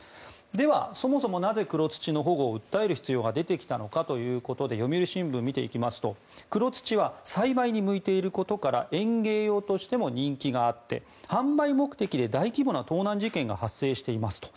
では、そもそもなぜ黒土の保護を訴える必要が出てきたのかということで読売新聞を見ていきますと黒土は栽培に向いていることから園芸用としても人気があって販売目的で大規模な盗難事件が発生していますと。